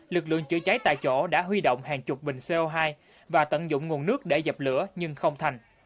lực lượng chữa cháy tại chỗ đã huy động hàng chục bình co hai và tận dụng nguồn nước để dập lửa nhưng không thành